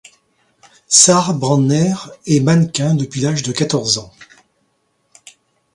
Sarah Brandner est mannequin depuis l'âge de quatorze ans.